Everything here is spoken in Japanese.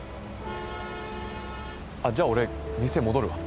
あっじゃあ俺店戻るわ。